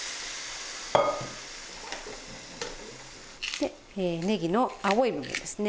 でねぎの青い部分ですね。